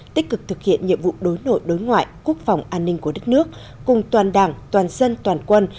tích cực thực hiện nhiệm vụ đối nội đối ngoại quốc phòng an ninh của đất nước cùng toàn đảng toàn dân toàn quân